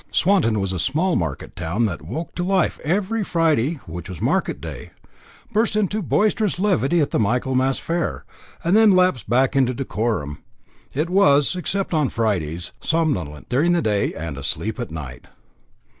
Swanton was a small market town, that woke into life every Friday, which was market day, burst into boisterous levity at the Michaelmas fair, and then lapsed back into decorum; it was, except on Fridays, somnolent during the day and asleep at night.